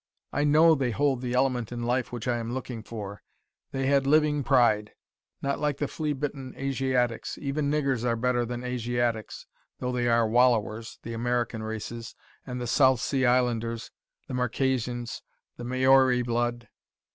I KNOW they hold the element in life which I am looking for they had living pride. Not like the flea bitten Asiatics even niggers are better than Asiatics, though they are wallowers the American races and the South Sea Islanders the Marquesans, the Maori blood.